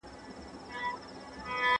¬ د بې عقلانو جواب پټه خوله دئ.